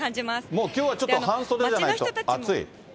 もうきょうはちょっと半袖じゃないと暑い？